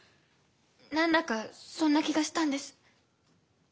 何だかそんな気がしたんです。